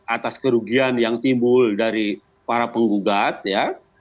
atas kerugian yang timbul dari para penggugat ya